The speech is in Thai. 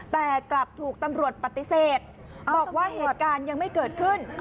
แต่กลับถูกตำรวจปฏิเสธบอกว่าเหตุการณ์ยังไม่เกิดขึ้น